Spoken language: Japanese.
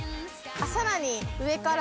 さらに上から。